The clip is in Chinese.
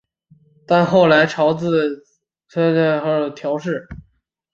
但后来朝直自资正处离反臣从后北条氏。